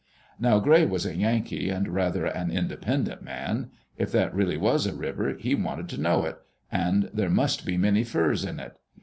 Now Gray was a Yankee, and rather an independent man. If that really was a river, he wanted to know it; and there must be many furs in it.